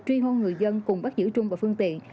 truy hôn người dân cùng bắt giữ trung và phương tiện